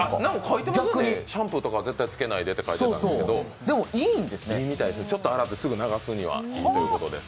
逆にシャンプーとかは絶対つけないでって書いてあるんですけどちょっと洗ってすぐ流すにはいいということで。